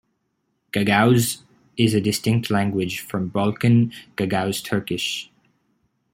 Gagauz is a distinct language from Balkan Gagauz Turkish.